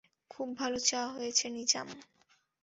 খুব ভালো চা হয়েছে নিজাম।